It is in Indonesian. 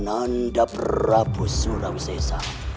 nanda prabu surawisesa